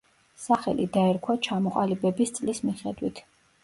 სახელი დაერქვა ჩამოყალიბების წლის მიხედვით.